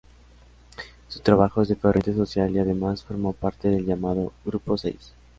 Su trabajo es de corriente social, y además formó parte del llamado Grupo Seis.